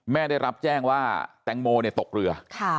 ได้รับแจ้งว่าแตงโมตกเรือ